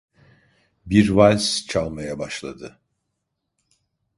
Bir vals çalmaya başladı.